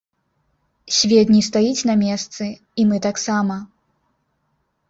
Свет не стаіць на месцы, і мы таксама.